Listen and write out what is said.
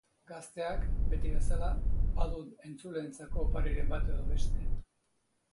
Gazteak, beti bezala, badu entzuleentzako opariren bat edo beste.